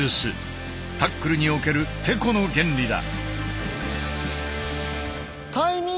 タックルにおけるテコの原理だ。